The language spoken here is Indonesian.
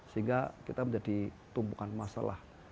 sehingga kita menjadi tumpukan masalah